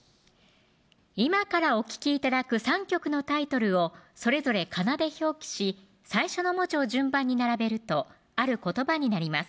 今からお聴き頂く３曲のタイトルをそれぞれカナで表記し最初の文字を順番に並べるとある言葉になります